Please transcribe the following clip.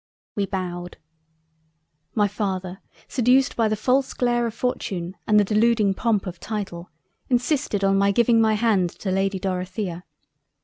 We bowed. "My Father seduced by the false glare of Fortune and the Deluding Pomp of Title, insisted on my giving my hand to Lady Dorothea.